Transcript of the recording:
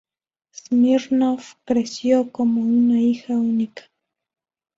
Smirnoff creció como un hija única.